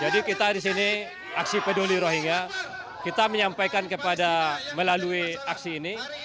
jadi kita disini aksi peduli rohingya kita menyampaikan kepada melalui aksi ini